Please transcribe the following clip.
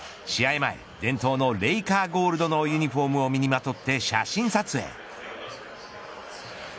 前、伝統のレイカーゴールドのユニホームを身にまとって写真撮影。